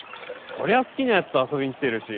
そりゃ好きな奴と遊びに来てるし。